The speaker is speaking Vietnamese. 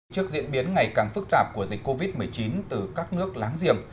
trước diễn biến ngày càng phức tạp của dịch covid một mươi chín từ các nước láng giềng